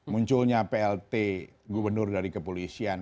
karena plt gubernur dari kepolisian